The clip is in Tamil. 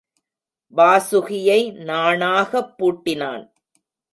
வாசுகியை நாணாகப் பூட்டினான்.